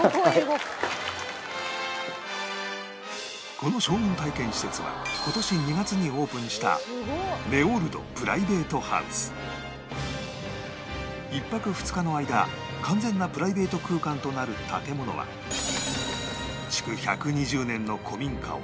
この将軍体験施設は今年２月にオープンした１泊２日の間完全なプライベート空間となる建物はへえ。